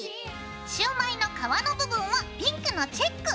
シュウマイの皮の部分はピンクのチェック！